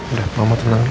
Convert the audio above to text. udah mama tenang ya